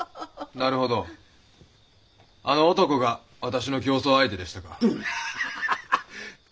なるほどあの男が私の競争相手でしたか。